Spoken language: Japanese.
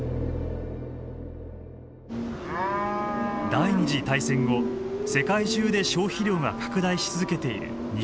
第２次大戦後世界中で消費量が拡大し続けている肉。